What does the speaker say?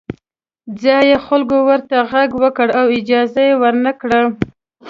ځايي خلکو ورته غږ وکړ او اجازه یې ورنه کړه.